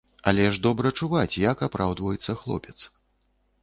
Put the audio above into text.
Але ж добра чуваць, як апраўдваецца хлопец.